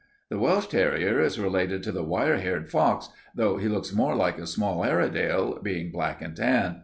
The Welsh terrier is related to the wire haired fox, though he looks more like a small Airedale, being black and tan.